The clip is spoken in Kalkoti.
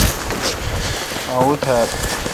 لوانہ تھال۔